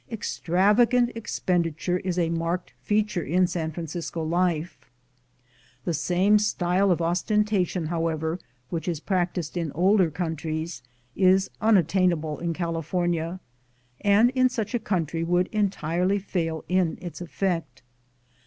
Extravagant expenditure is a marked feature in San Francisco life. The same style of ostentation, however, which is practiced in older countries, is unattainable in California, and in such a country would entirely fail in its eiffect.